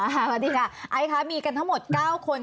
สวัสดีค่ะไอซ์ค่ะมีกันทั้งหมด๙คน